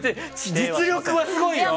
実力はすごいよ。